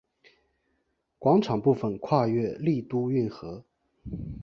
广场部分跨越丽都运河。